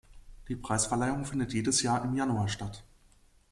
Die Preisverleihung findet jedes Jahr im Januar statt.